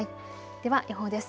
では予報です。